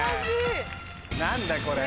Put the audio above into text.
何だこれ？